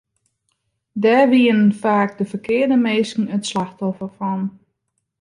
Dêr wienen faak de ferkearde minsken it slachtoffer fan.